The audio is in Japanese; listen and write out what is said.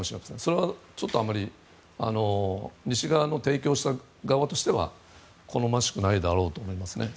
それはあまり西側の提供した側としては好ましくないだろうと思います。